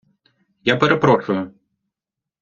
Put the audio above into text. Я перепрошую!